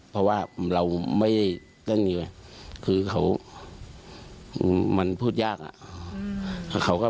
เพราะว่าเราไม่เต้นอยู่ไงคือเขามันพูดยากอะ